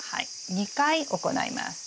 ２回行います。